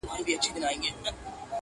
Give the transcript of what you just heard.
راباندي گرانه خو يې~